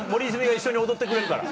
一緒に踊ってくれるから。